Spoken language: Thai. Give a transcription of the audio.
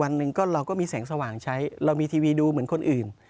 วันหนึ่งก็เราก็มีแสงสว่างใช้เรามีทีวีดูเหมือนคนอื่น